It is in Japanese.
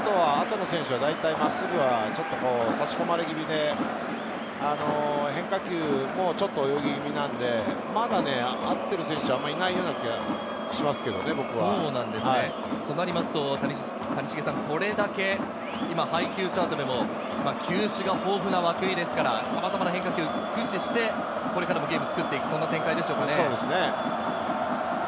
真っすぐをはじき返したのは、後の選手代はだいたいた真っすぐはちょっと差し込まれ気味で、変化球もちょっと泳ぎ気味なので、まだ合ってる選手はあまりいない気がしますけどね、僕は。となりますと、これだけ今、配球チャートでも球種が豊富な涌井ですから、さまざまな変化球を駆使して、これからのゲームを作っていく、そんな展開でしょうか。